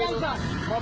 ini anggota dprd